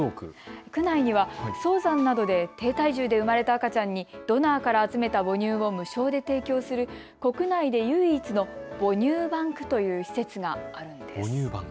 区内には早産などで低体重で生まれた赤ちゃんにドナーから集めた母乳を無償で提供する国内で唯一の母乳バンクという施設があるんです。